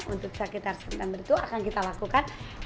untuk sekitar september itu akan kita lakukan